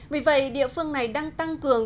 vì vậy địa phương này đang tăng cường